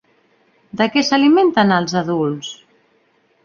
De què s'alimenten els adults?